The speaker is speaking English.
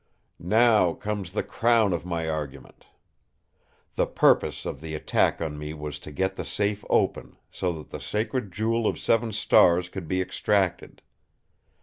"Now comes the crown of my argument. The purpose of the attack on me was to get the safe open, so that the sacred Jewel of Seven Stars could be extracted.